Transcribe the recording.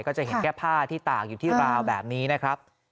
ก็จะเห็นแค่ผ้าที่ตากอยู่ที่ราวแบบนี้นะครับ